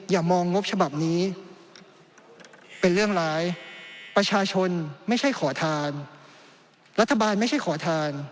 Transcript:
อย่ามองงบฉบับนี้เป็นเรื่องร้ายประชาชนไม่ใช่ขอทานรัฐบาลไม่ใช่ขอทาน